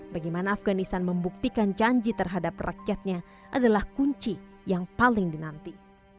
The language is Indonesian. bagaimana afganistan membuktikan janji terhadap rakyatnya adalah kunci yang paling dinanti